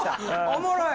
おもろい！